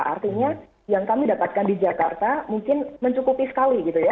artinya yang kami dapatkan di jakarta mungkin mencukupi sekali gitu ya